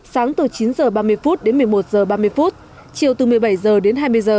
sáng từ chín h ba mươi đến một mươi một h ba mươi chiều từ một mươi bảy h đến hai mươi h